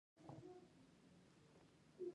د پښتنو په کلتور کې د میلمه د راتګ خبر ورکول کیږي.